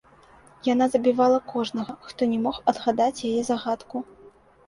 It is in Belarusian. Яна забівала кожнага, хто не мог адгадаць яе загадку.